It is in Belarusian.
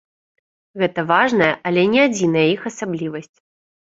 Гэта важная, але не адзіная іх асаблівасць.